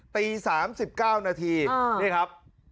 ตี๓๙นาทีนี่ครับ